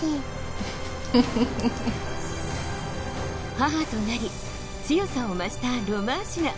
母となり強さもましたロマーシナ。